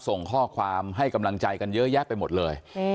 ส่งข้อความให้กำลังใจกันเยอะแยะไปหมดเลย